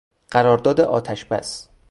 قرارداد آتش بس